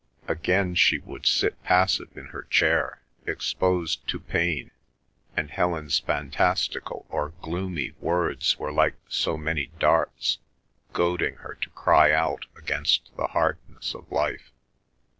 Again she would sit passive in her chair exposed to pain, and Helen's fantastical or gloomy words were like so many darts goading her to cry out against the hardness of life.